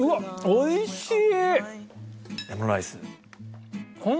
おいしい。